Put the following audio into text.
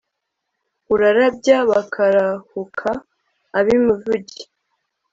urarabya bakarahuka ab'i mivugu